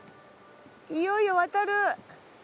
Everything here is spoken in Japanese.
いよいよ渡る。